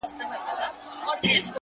وهر يو رگ ته يې د ميني کليمه وښايه ـ